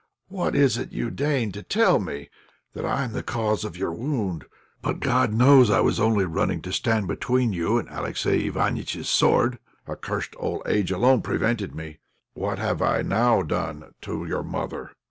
"What is it you deign to tell me that I am the cause of your wound? But God knows I was only running to stand between you and Alexey Iványtch's sword. Accursed old age alone prevented me. What have I now done to your mother?"